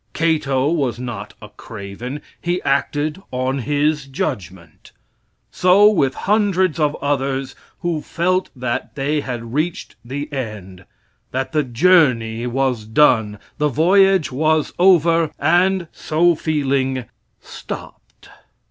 Cato was not a craven. He acted on his judgment. So with hundreds of others who felt that they had reached the end that the journey was done, the voyage was over, and, so feeling, stopped.